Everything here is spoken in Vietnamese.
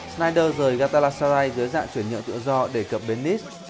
snyder rời gatala saray dưới dạng chuyển nhượng tự do để cập bên nice